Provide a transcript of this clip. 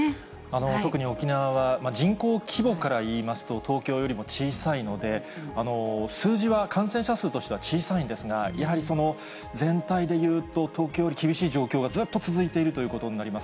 特に沖縄は人口規模からいいますと東京よりも小さいので、数字は感染者数としては小さいんですが、やはり全体でいうと、東京より厳しい状態がずっと続いているということになります。